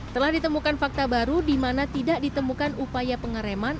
telah ditemukan fakta baru di mana tidak ditemukan upaya pengereman